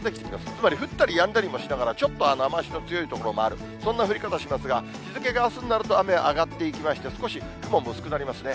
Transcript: つまり降ったりやんだりもしながら、ちょっと雨足の強い所もある、そんな降り方しますが、日付があすになると、雨上がっていきまして、少し雲も薄くなりますね。